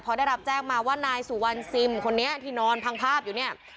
พอได้รับแจ้งมาว่านายสุวรรณซิมคนนี้ที่นอนพังภาพอยู่เนี่ย